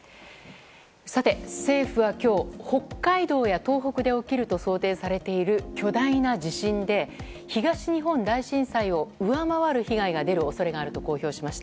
政府は今日北海道や東北で起きると想定されている巨大な地震で東日本大震災を上回る被害が出る恐れがあると公表しました。